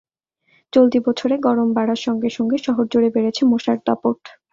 চলতি বছরে গরম বাড়ার সঙ্গে সঙ্গে শহরজুড়ে বেড়েছে মশার দাপট।